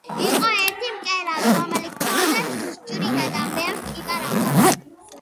იყო ერთი მკერავი, რომელიც ქსოვილებს ჭრიდა და ბევრსაც იპარავდა.